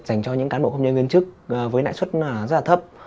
dành cho những cán bộ công nhân viên chức với lãi suất rất là thấp